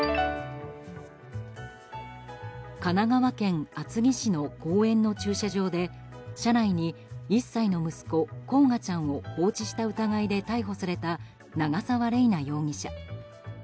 神奈川県厚木市の公園の駐車場で車内に１歳の息子・煌翔ちゃんを放置した疑いで逮捕された長澤麗奈容疑者。